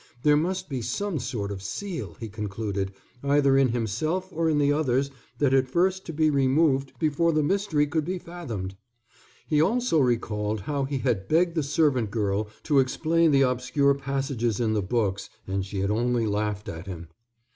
There must be some sort of seal, he concluded, either in himself or in the others that had first to be removed before the mystery could be fathomed. He also recalled how he had begged the servant girl to explain the obscure passages in the books and she had only laughed at him.